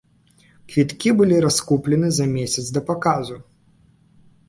Квіткі былі раскуплены за месяц да паказу.